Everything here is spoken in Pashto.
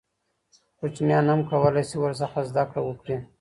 کوچنیان هم کولای سي ورڅخه زده کړه وکړي.